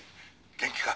元気か？